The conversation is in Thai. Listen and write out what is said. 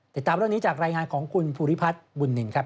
ติดตามเรื่องนี้จากรายงานของคุณภูริพัฒน์บุญนินครับ